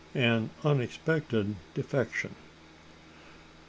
AN UNEXPECTED DEFECTION.